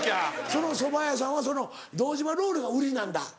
そのそば屋さんは堂島ロールが売りなんだ？